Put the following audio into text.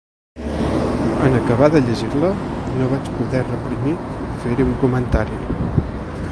En acabar de llegir-la no vaig poder reprimir fer-hi un comentari.